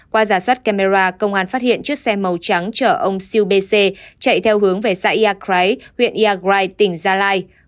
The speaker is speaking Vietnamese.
qua giả soát camera công an phát hiện chiếc xe màu trắng chở ông siêu bê xê chạy theo hướng về xã yà crái huyện yà crái tỉnh gia lai